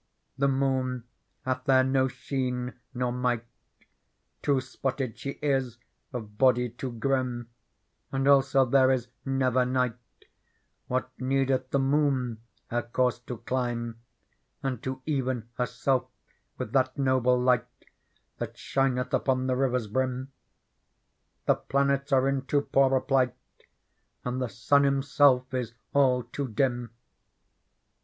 Digitized by Google 46 PEARL T he m oon hath th ere no sheen nor m ight, Too spotted she isTof body too grim ; And also there is'iiever litght; What needetmiTe "moon her course to climb, And to even herself with that noble light That shineth upon the river's brim ? The planets are in too poor a plight. And the sun hi mself is all too dim.